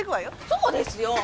そうですよー。